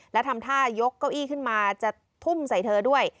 และทำท่ายกเก้าอี้ขึ้นมาจะทุ่มใส่เธอด้วย